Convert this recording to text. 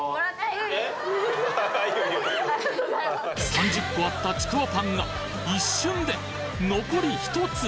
３０個あったちくわぱんが一瞬で残り１つ！